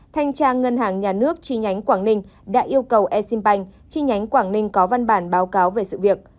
thanh trang ngân hàng nhà nước chi nhánh quảng ninh đã yêu cầu e sim banh chi nhánh quảng ninh có văn bản báo cáo về sự việc